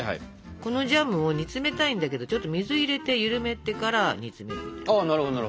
このジャムを煮詰めたいんだけどちょっと水入れて緩めてから煮詰めるみたいな。